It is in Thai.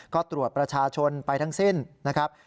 ก็ตรวจประชาชนไปทั้งสิ้นนะครับ